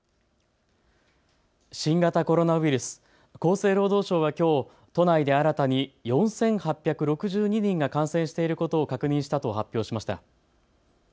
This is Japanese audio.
新型コロナウイルス、厚生労働省はきょう都内で新たに４８６２人が感染していることを確認したと発表しました。